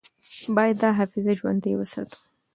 باید دا حافظه ژوندۍ وساتو.